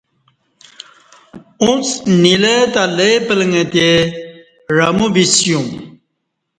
اُݩڅ نیلہ تہ لئ پلݣتے عمو بِسیوم